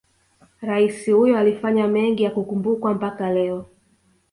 Rais huyo alifanya mengi ya kukumbukwa mpaka leo